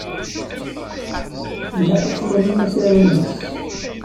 Ilaq ad twalim asaru-ines.